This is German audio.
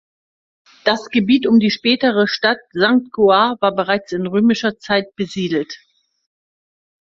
Das Gebiet um die spätere Stadt Sankt Goar war bereits in römischer Zeit besiedelt.